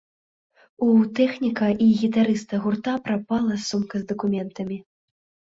У тэхніка і гітарыста гурта прапала сумка з дакументамі.